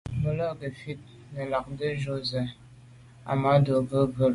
Bú lá' gə́ fít nə̀ lɑgdə̌ jú zə̄ Ahmadou rə̂ bú.